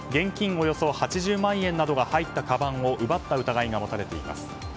およそ８０万円などが入ったかばんを奪った疑いが持たれています。